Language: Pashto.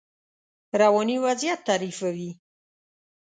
رواني وضعیت تعریفوي.